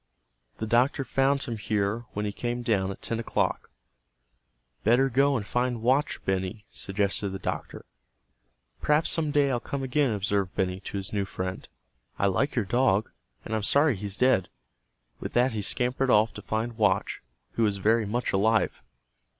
The doctor found him here when he came down at ten o'clock. "Better go and find Watch, Benny," suggested the doctor. "Perhaps some day I'll come again," observed Benny to his new friend. "I like your dog, and I'm sorry he's dead." With that he scampered off to find Watch, who was very much alive.